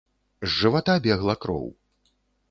З жывата бегла кроў.